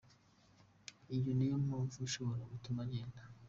Iyo niyo mpamvu ishoboka yatumye agenda.